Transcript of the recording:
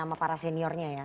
sama para seniornya ya